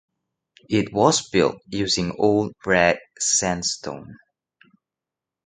It was built using Old Red Sandstone.